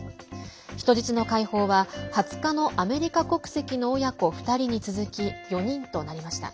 人質の解放は２０日のアメリカ国籍の親子２人に続き４人となりました。